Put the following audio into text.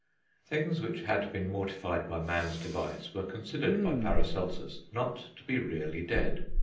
Things which had been mortified by man's device were considered by Paracelsus not to be really dead.